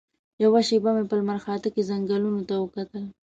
یوه شېبه مې په لمرخاته کې ځنګلونو ته وکتل.